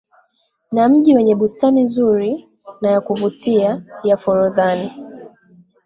Ni mji wenye bustani nzuri na yakuvutia ya Forodhani